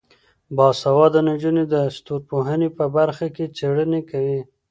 باسواده نجونې د ستورپوهنې په برخه کې څیړنه کوي.